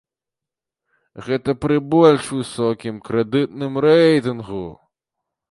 Гэта пры больш высокім крэдытным рэйтынгу!